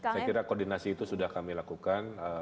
saya kira koordinasi itu sudah kami lakukan